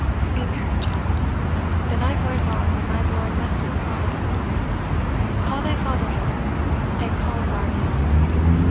Be merry, Janet; the night wears on, and my lord must soon arrive. Call thy father hither, and call Varney also.